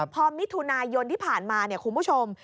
พอมิถุนายนที่ผ่านมาคุณผู้ชม